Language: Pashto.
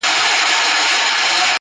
د زلمیو د مستۍ اتڼ پر زور سو-